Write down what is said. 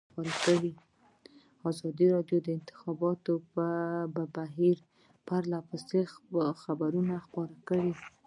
ازادي راډیو د د انتخاباتو بهیر په اړه پرله پسې خبرونه خپاره کړي.